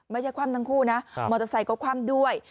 คว่ำทั้งคู่นะมอเตอร์ไซค์ก็คว่ำด้วย